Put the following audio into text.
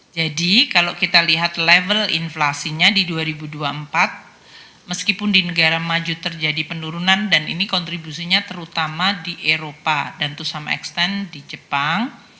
jadi kalau kita lihat level inflasinya di dua ribu dua puluh empat meskipun di negara maju terjadi penurunan dan ini kontribusinya terutama di eropa dan to some extent di jepang